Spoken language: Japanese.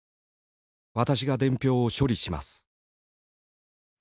「私が伝票を処理します」。